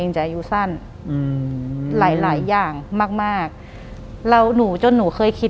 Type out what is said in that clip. หลังจากนั้นเราไม่ได้คุยกันนะคะเดินเข้าบ้านอืม